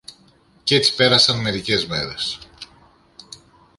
Κι έτσι πέρασαν μερικές μέρες.